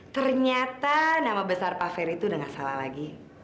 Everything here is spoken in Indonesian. ternyata nama besar pak ferry itu udah gak salah lagi